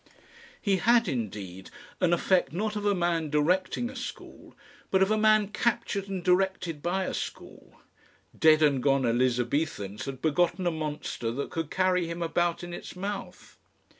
He had indeed an effect not of a man directing a school, but of a man captured and directed by a school. Dead and gone Elizabethans had begotten a monster that could carry him about in its mouth.